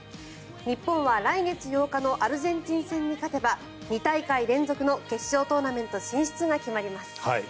日本は来月８日のアルゼンチン戦に勝てば２大会連続の決勝トーナメント進出が決まります。